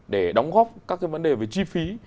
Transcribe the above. để đóng góp các cái vấn đề về chi phí